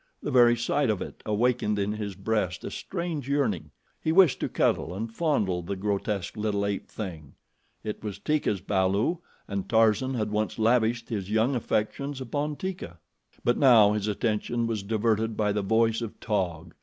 The very sight of it awakened in his breast a strange yearning. He wished to cuddle and fondle the grotesque little ape thing. It was Teeka's balu and Tarzan had once lavished his young affections upon Teeka. But now his attention was diverted by the voice of Taug.